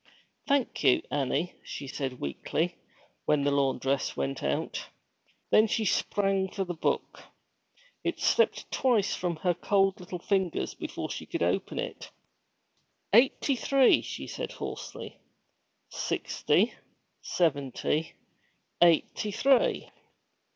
'Thank you, Annie,' she said weakly, when the laundress went out. Then she sprang for the book. It slipped twice from her cold little fingers before she could open it. 'Eighty three!' she said hoarsely. 'Sixty seventy eighty three!'